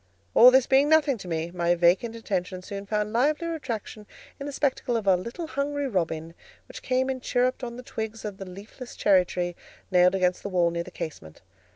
All this being nothing to me, my vacant attention soon found livelier attraction in the spectacle of a little hungry robin, which came and chirruped on the twigs of the leafless cherry tree nailed against the wall near the casement.